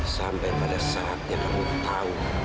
sampai pada saatnya kamu tahu